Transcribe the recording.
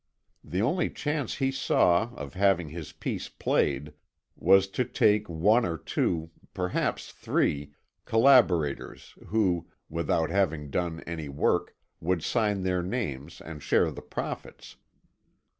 The only chance he saw of having his piece played was to take one or two perhaps three collaborators, who, without having done any work, would sign their names and share the profits.